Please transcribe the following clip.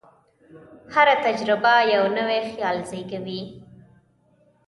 هره تجربه یو نوی خیال زېږوي.